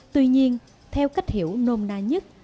tuy nhiên theo cách hiểu nôn na nhất